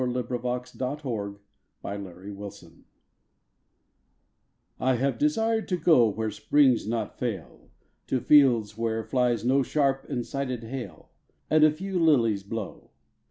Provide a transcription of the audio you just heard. A! HOPWOOD I HAVE DESIRED TO GO I HAVE desired to go Where springs not fail, To fields where flies no sharp and sided hail, And a few lilies blow.